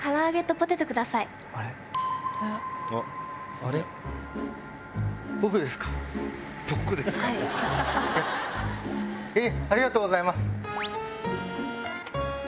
ありがとうございます！